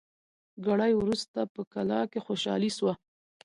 ګړی وروسته په کلا کي خوشالي سوه